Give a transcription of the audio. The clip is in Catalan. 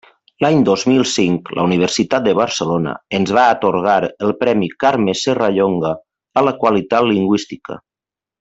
L'any dos mil cinc la Universitat de Barcelona ens va atorgar el premi Carme Serrallonga a la qualitat lingüística.